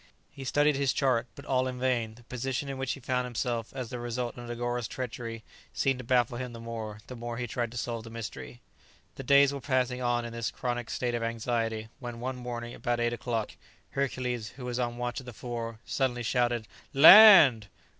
He studied his chart; but all in vain; the position in which he found himself as the result of Negoro's treachery, seemed to baffle him the more, the more he tried to solve the mystery. The days were passing on in this chronic state of anxiety, when one morning about eight o'clock, Hercules, who was on watch at the fore, suddenly shouted, "Land!"